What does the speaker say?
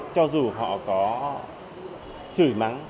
cho dù họ có chửi mắng